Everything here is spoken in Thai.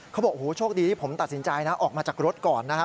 เขาบอกโอ้โหโชคดีที่ผมตัดสินใจนะออกมาจากรถก่อนนะครับ